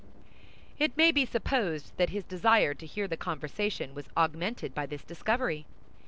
It may be supposed that his desire to hear the conversation was augmented by this discovery.